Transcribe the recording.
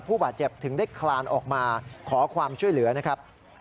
ผู้บาดเจ็บถึงได้คลานออกมาขอความช่วยเหลือนะครับ